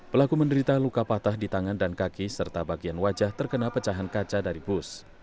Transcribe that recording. pelaku menderita luka patah di tangan dan kaki serta bagian wajah terkena pecahan kaca dari bus